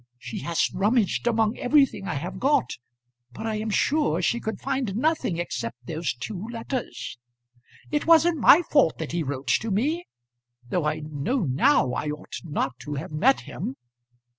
She has rummaged among everything I have got, but I am sure she could find nothing except those two letters. It wasn't my fault that he wrote to me, though I know now I ought not to have met him.